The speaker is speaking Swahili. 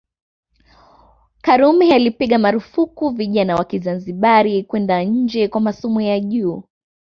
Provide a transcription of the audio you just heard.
Karume alipiga marufuku vijana wa Kizanzibari kwenda nje kwa masomo ya juu